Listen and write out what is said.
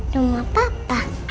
di rumah papa